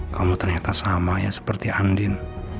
kamu ternyata sama ya seperti andin